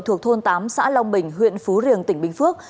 thuộc thôn tám xã long bình huyện phú riềng tỉnh bình phước